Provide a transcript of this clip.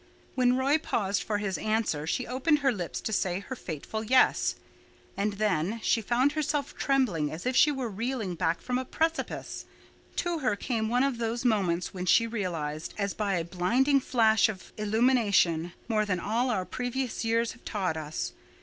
When Roy paused for his answer she opened her lips to say her fateful yes. And then—she found herself trembling as if she were reeling back from a precipice. To her came one of those moments when we realize, as by a blinding flash of illumination, more than all our previous years have taught us.